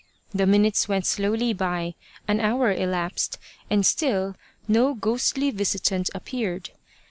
The minutes went slowly by, an hour elapsed, and still no ghostly visitant appeared.